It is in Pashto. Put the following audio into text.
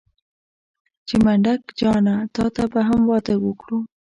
چې منډک جانه تاته به هم واده وکړو.